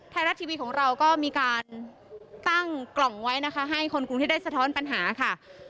ไทยรัฐทีวีของเราก็มีการตั้งกล่องไว้นะคะให้คนกรุงเทพได้สะท้อนปัญหาค่ะ